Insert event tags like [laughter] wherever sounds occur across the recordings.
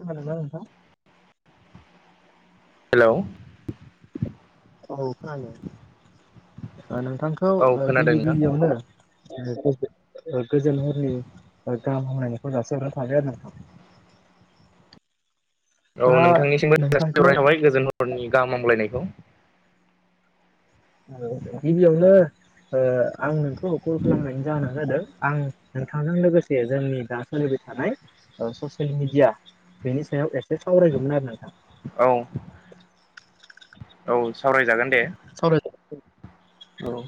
खारजों नोंथां हेलौ औ खोनानोादों नोंथांखौ औ ओ खोनादों गिबि नोंथां गिबियावनो। गोजोन हरनि गाहाम हामनायनिखौ दसे हरना थाबाय आरो नोंथां। औ दा नोंथांनिसिमबो जासि नोंथांखौ हरनाय थाबाय गोजोन हरनि गाहामलायनायखौ। गिबियावनो ओ आं नोंखौ कल खालामनायनि जाहोना जादों। आं नोंथांजों लोगोसे जोंनि दा सोलिबाय थानाय ससियेल ओ मिडिया। बेनि सायाव एसे सावरायगौमोन आरो नोंथां। औ औ सावरायजागोन दे। सावरायदो। औ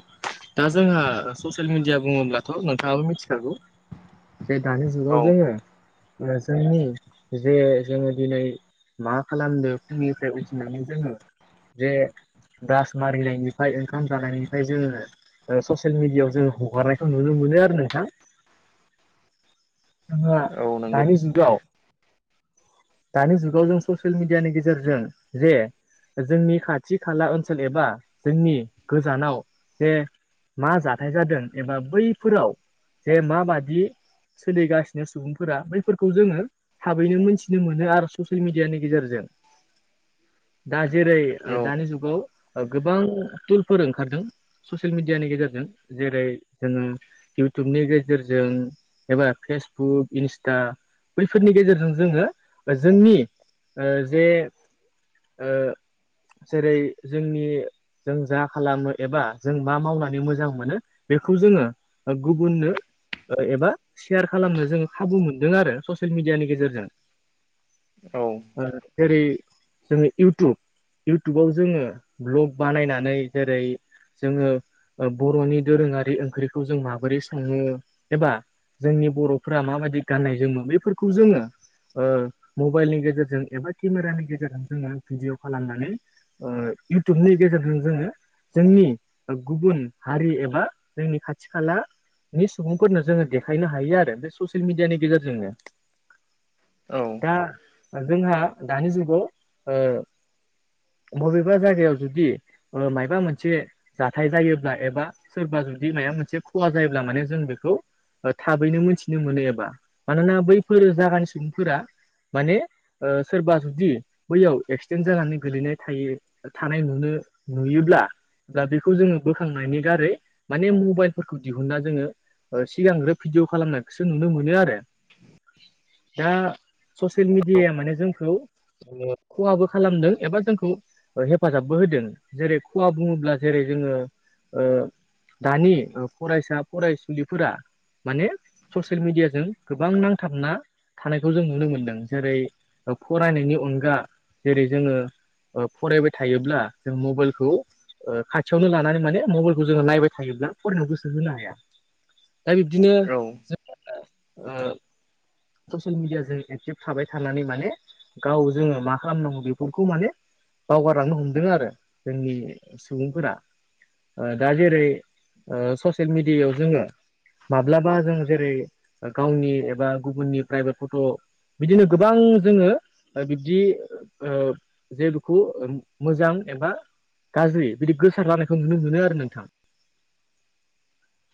दा जोंहा ससियेल मिडिया बुङोब्लाथ' नोंथाङाबो मिथिखागौ। जे दानि जुगाव औ जोङो जोंनि जे जोङो दिनै। मा खालामदो फुंनिफ्राय उथिनानै जोङो जे। दास मारिनायनिफ्राय ओंखाम जानायनिफ्राय जोङो। ओ ससियेल मिडिआव जों हगारनायखौ नुनो मोनो आरो नोंथां। जोंङा औ नंगौ दानि जुगाव। दानि जुगाव जों ससियेल मिडियानि गेजेरजों जे। जोंनि खाथि खाला ओनसोल एबा जोंनि गोजानाव जे मा जाथाय जादों एबा बैफोराव जे माबादि सोलिगासिनो सुबुंफोरा बैफोरखौ जोङो थाबैनो मोनथिनो मोनो आरो ससियेल मिडियानि गेजेरजों। दा जेरै औ दानि जुगाव गोबां टुलफोर ओंखारदों। ससियेल मिडियानि गेजेरजों जेरै जोङो इउटुबनि गेजेरजों एबा फेसबुक इन्स्टा बैफोरनि गेजेरजों जोङो जोंनि ओ जे ओ जेरै जोंनि जों जा खालामो एबा जों मा मावनानै मोजां मोनो बेखौ जोङो गुबुननो ओ एबा। सेयार खालामनो जोङो खाबु मोनदों आरो ससियेल मिडियानि गेजेरजों। औ। ओ जेरै जोङो इउटुब। इउटुबाव जोङो ब्लग बानायनानै जेरै। जोङो ओ बर'नि दोरोङारि ओंख्रिखौ जों माबोरै सङो एबा। जोंनि बर'फोरा माबायदि गाननाय जोमो बेफोरखौ जोङो। ओ मबाइलनि गेजेरजों एबा केमेरानि गेजेरजों जोङो भिडिअ खालामनानै। ओ इउटुबनि गेजेरजों जोङो। जोंनि गुबुन हारि एबा जोंनि खाथि-खाला। नि सुबुंफोरनो जोङो देखायनो हायो आरो बे ससियेल मिडियानि गेजेरजोंनो। औ। दा जोंहा दानि जुगाव ओ। बबेबा जायगायाव जुदि ओ मायबा मोनसे। जाथाय जायोब्ला एबा सोरबा जुदि मायबा मोनसे खहा जायोब्ला माने जों बेखौ। ओ थाबैनो मोनथिनो मोनो एबा मानोना बैफोर जागानि सुबुंफोरा। माने ओ सोरबा जुदि बैयाव एक्सिडेन्ट जानानै गोलैनाय थायो। थानाय नुनो नुयोब्ला। दा बेखौ जोङो बोखांनायनि गारै माने मबाइलफोरखौ दिहुनना जोङो सिगांग्रोब। भिदिअ खालामनायखौसो नुनो मोनो आरो। दा ससियेल मिडियाया माने जोंखौ। ओ खहाबो खालामदों एबा जोंखौ। हेफाजाबबो होदों जेरै खुवा बुङोब्ला जेरै जोङो ओ। दानि फरायसा- फरायसुलिफोरा। माने ससियेल मिडियाजों गोबां नांथाबना। थानायखौ जों नुनो मोनदों जेरै फरायनायनि अनगा जेरै जोङो। ओ फरायबाय थायोब्ला जों मबाइलखौ। ओ खाथियावनो लानानै माने मबाइलखौ जोङो नायबाय थायोब्ला फरायनायाव गोसो होनो हाया। दा बिब्दिनो औ जों ओ। ससियेल मिडियाजों एक्टिभ थाबाय थानानै माने। गाव जोङो मा खालामनांगौ बेफोरखौ माने। बावगारलांनो हमदों आरो जोंनि सुबुंफोरा। ओ दा जेरै ओ ससियेल मिडियायाव जोङो माब्लाबा जों जेरै गावनि एबा गुबुननिफ्रायबो फट' बिदिनो गोबां जोङो ओ बिब्दि ओ जेलुखु मोजां एबा गाज्रि बिदि गोसार जानायखौ नुनो मोनो आरो नोंथां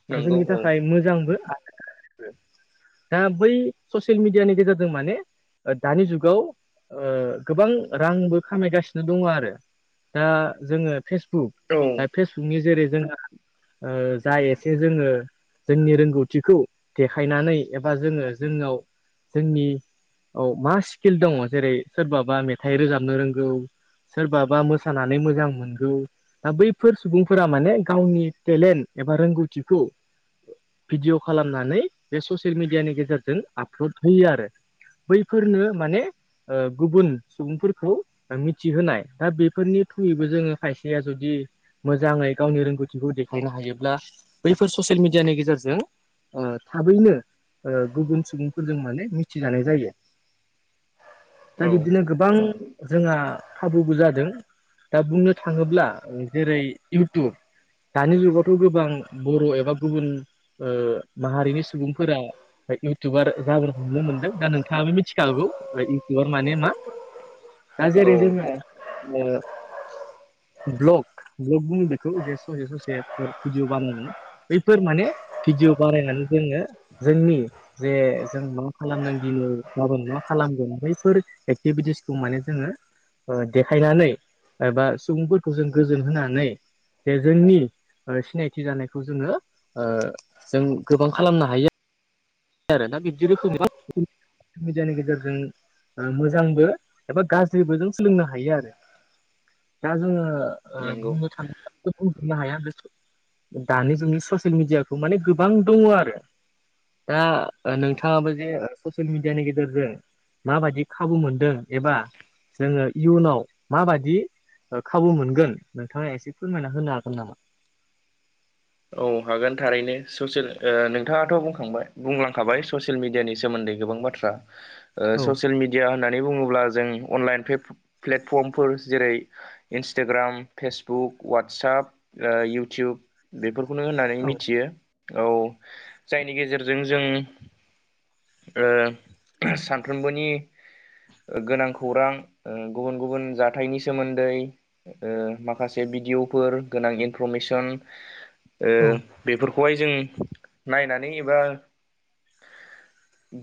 दा नंगौ जोंनि औ थाख मोजांबो आरो गाज्रिबो दा बै ससियेल मिडियानि गेजेरजों माने दानि जुगाव ओ गोबां रांबो खामायगासिनो दङ' आरो दा जोङो फेसबुक औ दा फेसबुकनि जेरै जोंहा ओ जा एसे जोङो जोंनि रोंगौथिखौ देखायनानै एबा जोङो जोंनाव जोंनि। औ मा स्किल दङ' जेरै सोरबाबा मेथाइ रोजाबनो रोंगौ। सोरबाबा मोसानानै मोजां मोनगौ। दा बैफोर सुबुंफोरा माने गावनि टेलेन्ट एबा रोंगौथिखौ। भिडिअ खालामनानै बे ससियेल मिडियानि गेजेरजों आपलद होयो आरो। बैफोरनो माने ओ गुबुन सुबुंफोरखौ। मिथिहोनाय दा बेफोरनि थ्रुयैबो जोङो खायसेया जुदि। मोजाङै गावनि रोंगौथिखौ देखायनो हायोब्ला बैफोर ससियेल मिडियानि गेजेरजों। ओ थाबैनो ओ गुबुन सुबुंफोरजों माने मिथिजानाय जायो। दा औ बिदिनो गोबां जोंहा खाबुबो जादों। दा बुंनो थाङोब्ला जेरै इउटुब दानि जुगावथ' गोबां बर' एबा गुबुन ओ माहारिनि सुबुंफोरा इउटुबार जाबोनो हमनो मोनदों दा नोंथाङाबो मिथिखागौ इउटुबार माने मा। दा औ जेरै जोङा ओ ब्लग ब्लग बुङो बेखौ जे ससे ससे भिडिअ बानायनाय बैफोर माने भिडिअ बारायनानै जोङो जोंनि जे जों मा खालामदों दिनै गाबोन मा खालामगोन बैफोर एकटिभिटिसखौ माने जोङो ओ देखायनानै एबा सुबुंफोरखौ जों गोजोन होनानै जे जोंनि ओ सिनायथि जानायखौ जोङो ओ जों गोबां खालामनो हायो आरो ना बिब्दिदि रोखोमनि [unintelligible] मिडियानि गेजेरजों ओ मोजांबो एबा गाज्रिबो जों सोलोंनो हायो आरो। दा जोङो ओ नंगौ बुंनो थाङोब्ला खौ बुंजोबनो हाया [inaudible] दानि जुगनि ससियेल मिडियाखौ माने गोबां दङ' आरो। दा ओ नोंथाङाबो जे ससियेल मिडियानि गेजेरजों माबायदि खाबु मोनदों एबा जोङो इयुनाव माबायदि ओ खाबु मोनगोन नोंथाङा एसे फोरमायना होनो हागोन नामा? औ हागोन थारैनो ससेल ओ नोंथाङाथ' बुंखांबाय बुंलांखाबाय ससे सिल मिडियानि सोमोन्दै गोबां बाथ्रा। [inaudible] ओ ससियेल मिडिया होननानै बुङोब्ला जों अनलाइन फेफ-प्लेटफर्मफोर जेरै इन्सोटाग्राम, फेसबुक, वाटसाप, ओ इउटुब बेफोरखौनो होननानै औ मिथियो औ जायनि गेजेरजों जों ओ सानफ्रोमबोनि गोनां खौरां ओ गुबुन गुबुन जाथायनि सोमोन्दै‌ ओ माखासे भिडिअफोर गोनां इनफरमेसन ओ औ बेफोरखौहाय जों नायनानै एबा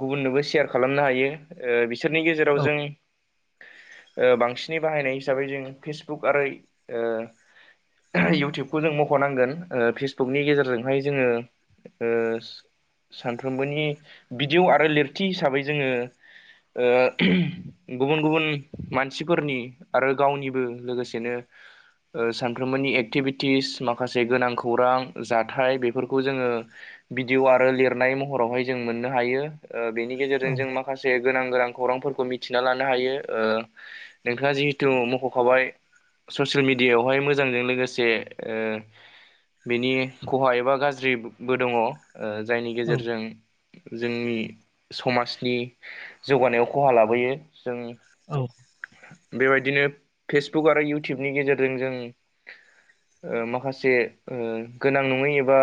गुबुननोबो सेयार खालामनो हायो ओ बिसोरनि गेजेराव औ जों ओ बांसिनै बाहायनाय हिसाबै जों फेसबुक आरो ओ इयउटुबखौ जों मख'नांगोन ओ फेसबुकनि गेजेरजोंहाय जोङो ओ सानफ्रोमबोनि भिदिअ आरो लिरथि हिसाबै जोङो ओ गुबुन गुबुन मानसिफोरनि आरो गावनिबो लोगोसेनो ओ सानफ्रोमबोनि एक्टिभिटिस माखासे गोनां खौरां जाथाय बेफोरखौ जोङो भिदिअ आरो लिरनाय महरावहाय जों मोननो हायो ओ बेनि गेजेरजों जों औ माखासे गोनां-गोनां खौरांफोरखौ मिथिना लानो हायो ओ नोंथाङा जिहेथु मख'खाबाय। ससियेल मिडियावहाय मोजांजों लोगोसे ओ बेनि खहा एबा गाज्रिबो दङ ओ जायनि गेजेरजों। जोंनि समाजनि जौगानायाव खहा लाबोयो जों। औ। बेबायदिनो फेसबुक आरो इउटुबनि गेजेरजों जों ओ माखासे ओ गोनां नङै एबा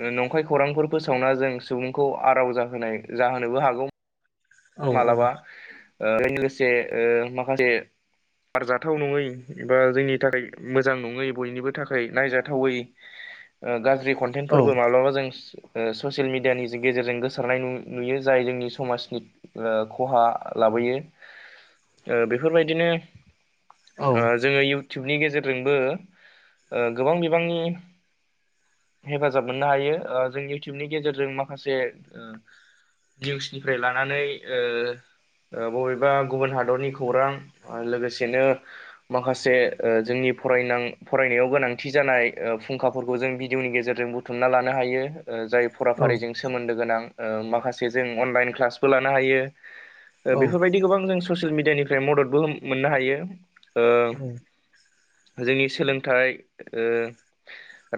ओ नंखाय खौरांफोर फोसावना जों सुबुंखौ आराव जाहोनाय जाहोनोबो हागौ औ मालाबा ओ [inaudible] लोगोसे ओ माखासे बारजाथाव नङै एबा जोंनि थाखाय मोजां नङै बयनिबो थाखाय नायजाथावै [inaudible] ओ गाज्रि औ कन्टेनफोरबो माब्लाबा जों ओ ससियेल मिडियानि गेजेरजों गोसारनाय नु-नुयो जाय जोंनि समाजनि ओ खहा लाबोयो ओ बेफोरबायदिनो। औ ओ जोङो इउटिवबनि गेजेरजोंबो ओ गोबां बिबांनि हेफाजाब मोननो हायो ओ जों इउटिवबनि गेजेरजों माखासे ओ निउसनिफ्राय लानानै ओ ओ बबेबा गुबुन हादरनि खौरां आरो लोगोसेनो माखासे ओ जोंनि फरायनां फरायनायाव गोनांथि जानाय ओ फुंखाफोरखौ जों भिडिअनि गेजेरजों बु थुमना लानो हायो ओ जाय फराफारिजों सोमोन्दो गोनां ओ माखासे जों अनलाइन क्लासबो ला नो हायो। ओ औ बेफोरबायदि गोबां जों ससियेल मिडियानिफ्राय मददबो मोननो हायो ओ औ जोंनि सोलोंथाइ ओ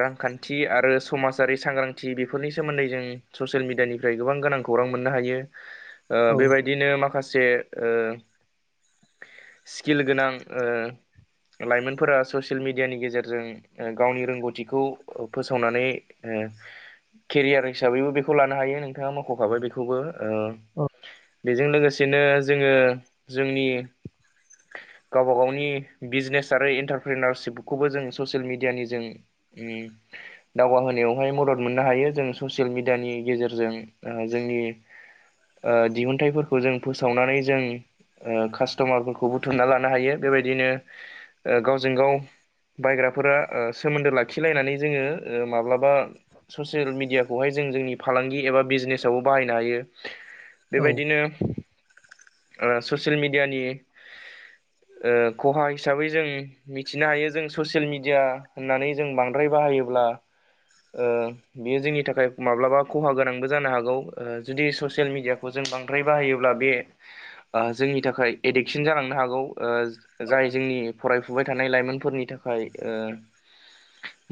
रांखान्थि आरो समाजारि सांग्रांथि बेफोरनि सोमोन्दै जों ससियेल मिडियानिफ्राय गोबां गोनां खौरां मोननो हायो ओ बेबायदिनो माखास से ओ स्किल गोनां ओ लाइमोनफोरा ससियेल मिडियानि गेजेरजों ओ गावनि रोंगौथिखौ फोसावनानै ओ केरियार हिसाबैबो बेखौ लानो हायो नोंथाङा मख'खाबाय बेखौबो ओ बेजों लोगोसेनो जोङो जोंनि गावबा गावनि बिजनेस आरो एन्टारप्रिनारशिपखौबो जों ससियेल मिडियानि जों उम दावगाहोनायावहाय मदद मोननो हायो जों ससियेल मिडियानि गेजेरजों ओ जोंनि ओ दिहुनथाइफोरखौ जों फोसावनानै जों ओ कास्ट'मारफोरखौ बुथुमना लानो हायो बेबायदिनो ओ गावजों गाव बायग्राफोरा ओ सोमोन्दो लाखिलायनानै जोङो ओ माब्लाबा ससियेल मिडियाखौहाय जों जोंनि फालांगि एबा बिजनेसावबो बाहायनो हायो। बेबायदिनो ओ ससियेल मिडियानि ओ खहा हिसाबै जों मिथिनो हायो जों ससियेल मिडिया होननानै जों बांद्राय बाहायोब्ला ओ बियो जोंनि थाखाय माब्लाबा खहा गोनांबो जानो हागौ ओ जुदि सस सियेल मिडियाखौ जों बांद्राय बाहायोब्ला बे ओ जोंनि थाखाय एडिक्सन जालांनो हागौ ओ जाय जोंनि फरायफुबाय थानाय लाइमोनफोरनि थाखाय ओ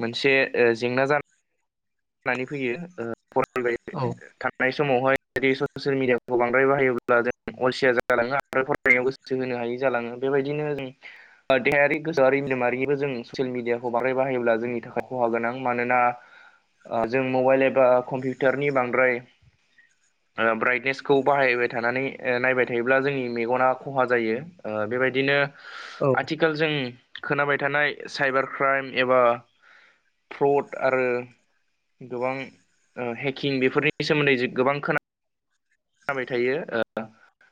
मोनसे ओ जेंना जानानै फैयो [unintelligible] नाय समावहाय जुदि ससियेल मिडियाखौ बांद्राय बाहायोब्ला जों अलसिया जालाङो [unintelligible] फरायनायाव गोसो होनो हायि जालाङो बेबायदिनो जों देहायारि गोसोआरि मेलेमारिनिबो जों ससियेल मिडियाखौ बांद्राय बाहायोब्ला जोंनि थाखाय खहा गोनां मानोना ओ जों मबाइल एबा कम्पिउटारनि बांद्राय ओ ब्राइटनेसखौ बाहायबाय थानानै ओ नायबाय थायोब्ला जोंनि मेगना खहा जायो। ओ बेबायदिनो औ आथि खाल जों खोनाबाय थानाय साइबार क्राइम एबा फ्रड आरो गोबां ओ हेकिं बेफोरनि सोमोन्दै गोबां खोनाबाय थायो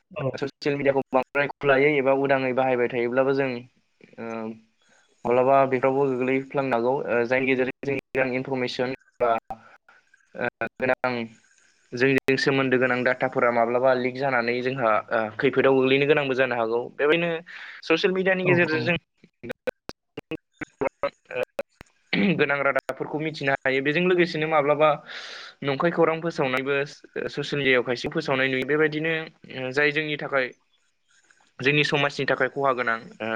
औ ससियेल मिडियाखौ बांद्राय खुलायै एबा उदाङै बाहायबाय थायोब्लाबो जों ओ माब्लाबा बेफोरावबो गोग्लैफ्लांनो हागौ ओ जायनि गेजेरजों जों गोनां इनफरमेसन [unintelligible] ओ गोनां जोंजों सोमोन्दो गोनां डाटाफोरा माब्लाबा लिक जानानै जोंहा ओ खैफोदाव गोग्लैनो गोनांबो जानो हागौ। बेबायदिनो ससियेल मिडियानि गेजेरजों जों [inaudible] गोनां रादाबफोरखौ मिथिनो थायो बेजों लोगोसेनो माब्लाबा नंखाय खौरां फोसावनायबो ससियेल [unintelligible] यायाव खायसे फोसावनाय नुयो बेबायदिनो ओ जाय जोंनि थाखाय जोंनि समाजनि थाखाय खहा गोनां ओ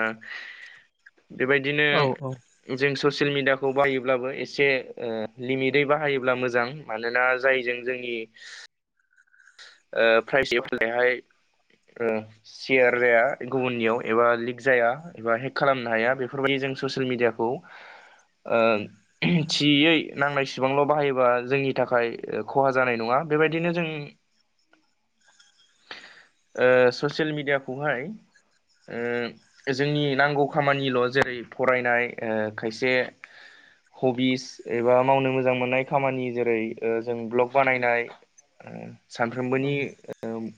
बेबायदिनो औ जों ससियेल मिडियाखौ बाहायोब्लाबो एसे ओ लिमिटै बाहायोब्ला मोजां मानोना जायजों जोंनि ओ प्राइज एपायहाय ओ सियार जाया गुबुननियाव एबा लिक जाया एबा हेक खालामनो हाया बेफोरबायदि जों ससियेल मिडियाखौ ओ थियै नांनाय सिबांल' बाहायोबा जोंनि ओ थाखाय खहा जानाय नङा बेबायदिनो जों ओ ससियेल मिडियाखौहाय ओ जोंनि नांगौ खामानिल' जेरै फरायनाय ओ खायसे हबिस एबा मावनो मोजां मोननाय खामानि जेरै जों भ्लग बानायनाय ओ सानफ्रोमबोनि ओम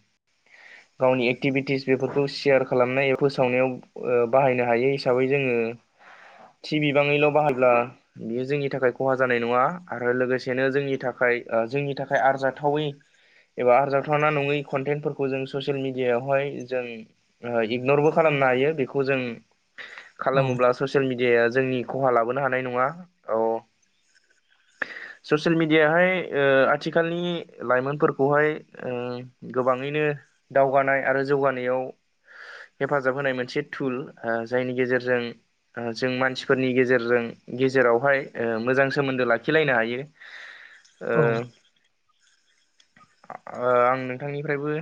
[inaudible] गावनि एक्टिभिटिस बेफोरखौ सेयार खालामनाय ए फोसावनायाव बाहायनो हायो हिसाबै जोङो। थि बिबाङैल' बाहायब्ला बेयो जोंनि थाखाय खहा जानाय नङा आरो लोगोसेनो जोंनि थाखाय ओ जोंनि थाखाय आरजाथावै एबा आरजावथारना नङै कन्टेन्टफोरखौ जों ससियेल मिडियायावहाय जों ओ इगनरबो खालामनो हायो बेखौ जों औ खालामोब्ला औ ससियेल मिडियाया जोंनि खहा लाबोनो हानाय नङा औ ससियेल मिडियाहाय ओ आथिखालनि लाइमोनफोरखौ खौहाय ओ गोबाङैनो दावगानाय आरो जौगानायाव हेफाजाब होनाय मोनसेथुल ओ जायनि गेजेरजों ओ जों मानसिफोरनि गेजेरजों गेजेरावहाय ओ मोजां सोमोन्दो लाखिलायनो हायो। [inaudible] ओ ओ नोंथांनिफ्रायबो